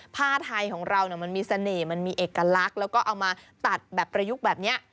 ผ้าไทยของเรามันมีเสน่ห์มันมีเอกลักษณ์แล้วก็เอามาตัดแบบประยุกต์แบบนี้